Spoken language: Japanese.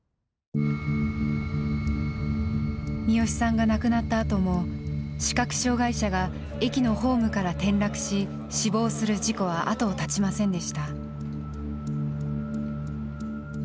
視良さんが亡くなったあとも視覚障害者が駅のホームから転落し死亡する事故は後を絶ちませんでした。